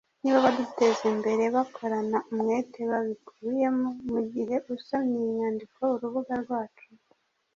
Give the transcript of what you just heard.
niba abadutezimbere bakorana umwete babikuyemo, mugihe usomye iyi nyandiko urubuga rwacu